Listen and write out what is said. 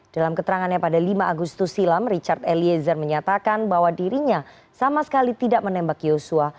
dalam keterangannya pada lima agustus silam richard eliezer menyatakan bahwa dirinya sama sekali tidak menembak yosua